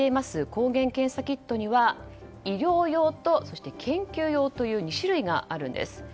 抗原検査キットには医療用と研究用という２種類があります。